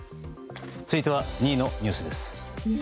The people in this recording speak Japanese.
続いては２位のニュースです。